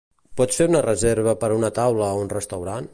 Pots fer una reserva per una taula a un restaurant?